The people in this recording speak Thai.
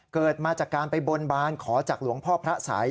เกิดมาจากการไปบนบานขอจากหลวงพ่อพระสัย